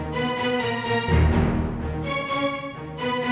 tidak mungkin kita